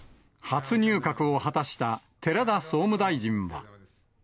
初入閣を果たした寺田総務大臣は。